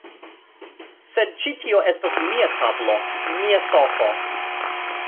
Sed ĉi tio estas mia tablo; mia sofo